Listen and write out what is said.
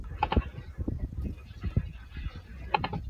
此事件被意大利人称为七月二十五日事件。